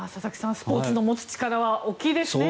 スポーツが持つ力はすごいですね。